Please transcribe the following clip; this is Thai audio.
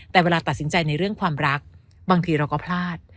แต่เวลาตัดสินใจในเรื่องความรักบางทีเราก็พลาด